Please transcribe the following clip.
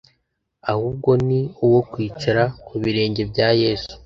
ahubwo ni uwo kwicara ku birenge bya Yesu,